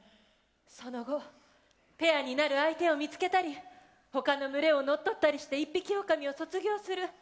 その後ペアになる相手を見つけたりほかの群れを乗っ取ったりして一匹オオカミを卒業する。